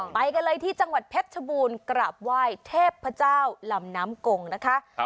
ไปกันเลยที่จังหวัดเพชรชบูรณ์กราบไหว้เทพเจ้าลำน้ำกงนะคะ